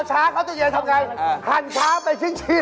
สวัสดีครับสวัสดีครับสวัสดี